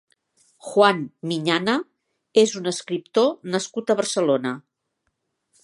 Juan Miñana és un escriptor nascut a Barcelona.